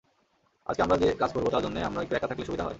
আজকে আমরা যে কাজ করবো, তার জন্য আমরা একটু একা থাকলে সুবিধা হয়?